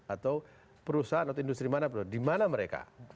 atau perusahaan atau industri mana dimana mereka